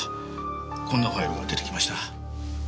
こんなファイルが出てきました。